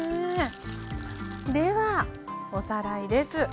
ではおさらいです。